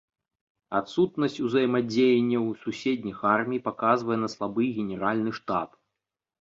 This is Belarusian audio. Адсутнасць узаемадзеянняў суседніх армій паказвае на слабы генеральны штаб.